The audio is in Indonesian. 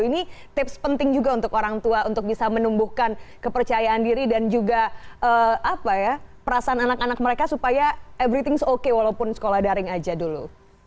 ini tips penting juga untuk orang tua untuk bisa menumbuhkan kepercayaan diri dan juga perasaan anak anak mereka supaya everythings okay walaupun sekolah daring aja dulu